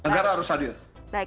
negara harus hadir